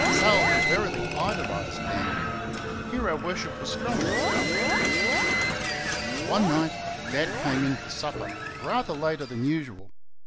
Sal verily idolised Dan. Hero worship was strong in Sal. One night Dad came in for supper rather later than usual.